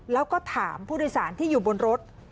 แล้วก็ถามผู้โดยสารที่อยู่บนรถ